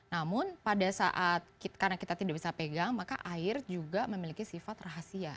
namun pada saat karena kita tidak bisa pegang maka air juga memiliki sifat rahasia